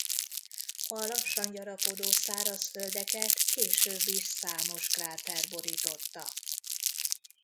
A lassan gyarapodó szárazföldeket később is számos kráter borította.